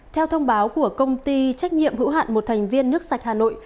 theo thông báo của công ty trách nhiệm hữu hạn một thành viên nước sạch hà nội